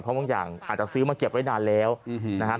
เพราะบางอย่างอาจจะซื้อมาเก็บไว้นานแล้วอือฮือนะฮะ